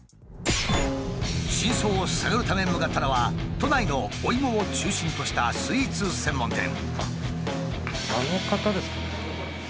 真相を探るため向かったのは都内のおイモを中心としたスイーツ専門店。